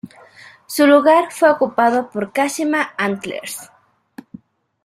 Su lugar fue ocupado por Kashima Antlers.